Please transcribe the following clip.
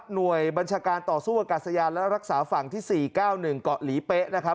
หน่วยบัญชาการต่อสู้กับกัสยานและรักษาฝั่งที่สี่เก้าหนึ่งเกาะหลีเป๊ะนะครับ